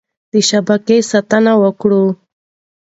د شبکې ساتنه وکړه.